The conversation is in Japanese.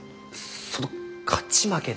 その勝ち負けでは。